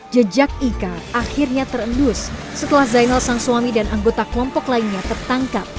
jejak ika akhirnya terendus setelah zainal sang suami dan anggota kelompok lainnya tertangkap